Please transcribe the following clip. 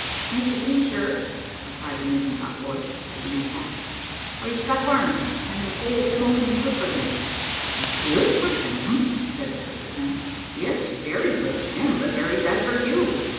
"If you please, sir," replied the mizen top boy, touching his hat, "I'se got worms, and they say that smoking be good for them." "Good for them!" said the first lieutenant; "yes, very good for them but very bad for you.